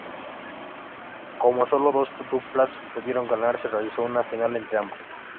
Como solo dos duplas pudieron ganar se realizó una final entre ambas.